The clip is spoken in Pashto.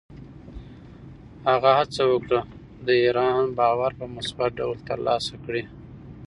هغه هڅه وکړه، د ایران باور په مثبت ډول ترلاسه کړي.